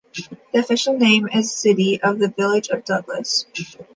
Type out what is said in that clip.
The official name is City of the Village of Douglas.